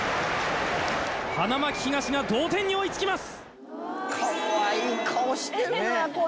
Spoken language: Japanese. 花巻東が同点に追いつきます！